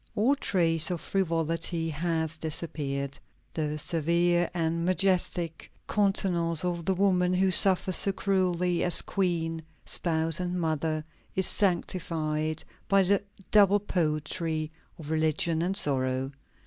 All trace of frivolity has disappeared. The severe and majestic countenance of the woman who suffers so cruelly as queen, spouse, and mother, is sanctified by the double poetry of religion and sorrow.